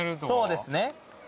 そうですね。